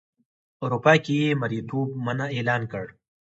اروپا کې یې مریتوب منع اعلان کړ.